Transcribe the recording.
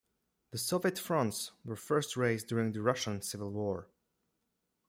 The Soviet fronts were first raised during the Russian Civil War.